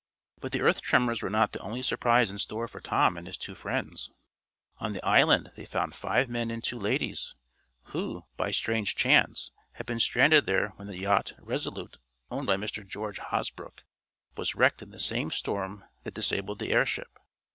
But the earth tremors were not the only surprise in store for Tom and his two friends, On the island they found five men and two ladies, who, by strange chance, had been stranded there when the yacht Resolute, owned by Mr. George Hosbrook, was wrecked in the same storm that disabled the airship.